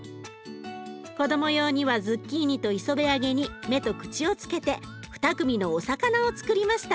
子ども用にはズッキーニと磯辺揚げに目と口をつけて２組のお魚をつくりました。